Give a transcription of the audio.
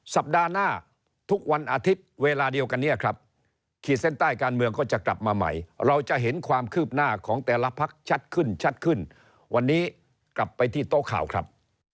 สวัสดีครับ